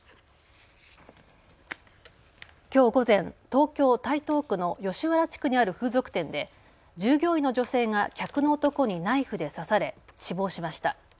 きょう午前、東京台東区の吉原地区にある風俗店で従業員の女性が客の男にナイフで刺され死亡しました。